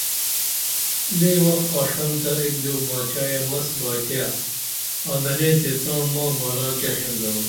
لے وخ آشنتہ ایک دیو باچائے مس بائیتے آں گنے تے تاں ما بارہ کیہ خیال درو